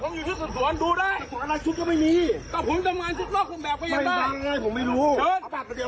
คุณฟังนะที่มาเชิญคุณตอนนี้คือคุณแตะกล้วยเต็มเต็มจิตและหลายไม่แตะกล้วย